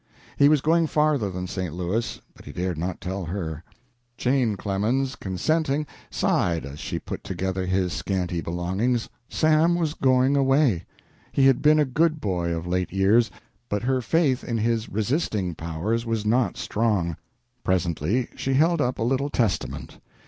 He was going farther than St. Louis, but he dared not tell her. Jane Clemens, consenting, sighed as she put together his scanty belongings. Sam was going away. He had been a good boy of late years, but her faith in his resisting powers was not strong. Presently she held up a little Testament.